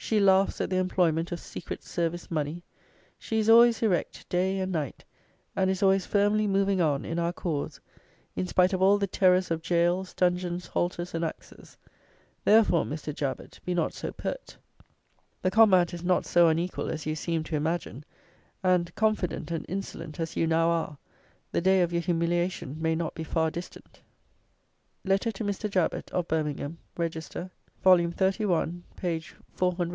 She laughs at the employment of secret service money. She is always erect, day and night, and is always firmly moving on in our cause, in spite of all the terrors of gaols, dungeons, halters and axes. Therefore, Mr. JABET, be not so pert. The combat is not so unequal as you seem to imagine; and, confident and insolent as you now are, the day of your humiliation may not be far distant." LETTER TO MR. JABET, of Birmingham, Register, v. 31, p. 477. (Nov.